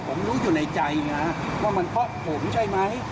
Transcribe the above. ผมรู้อยู่ในใจไงว่ามันเพราะผมใช่ไหม